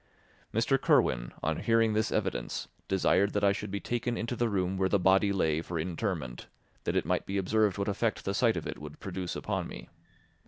Mr. Kirwin, on hearing this evidence, desired that I should be taken into the room where the body lay for interment, that it might be observed what effect the sight of it would produce upon me.